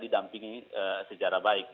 didampingi secara baik